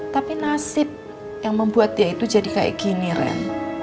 tapi nasib yang membuat dia itu jadi kayak gini ren